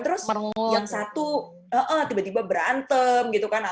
terus yang satu tiba tiba berantem gitu kan